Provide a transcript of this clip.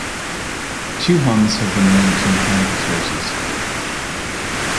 Two hums have been linked to mechanical sources.